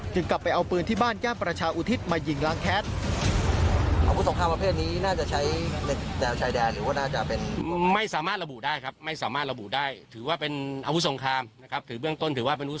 กลับไปเอาปืนที่บ้านแก้มประชาอุทิศมายิงล้างแคท